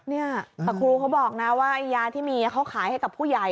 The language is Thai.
เนี่ยแต่ครูเขาบอกนะว่ายาที่มีเขาขายให้กับผู้ใหญ่